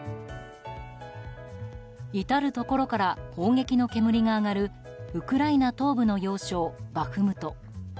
至るところから砲撃の煙が上がるウクライナ東部の要衝バフムト。